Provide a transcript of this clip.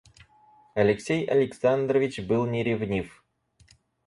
Алексей Александрович был не ревнив.